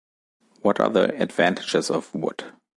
What are the advantages of wood?